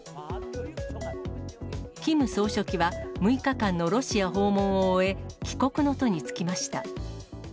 キム総書記は、６日間のロシア訪問を終え、帰国の途に就きました。